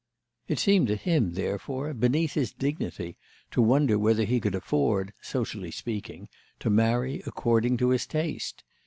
It seemed to him, therefore, beneath his dignity to wonder whether he could afford, socially speaking, to marry according to his taste.